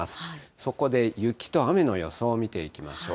そこで雪と雨の予想を見ていきましょう。